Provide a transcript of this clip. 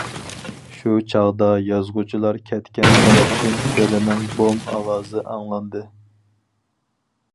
شۇ چاغدا يازغۇچىلار كەتكەن تەرەپتىن بىرىنىڭ بوم ئاۋازى ئاڭلاندى.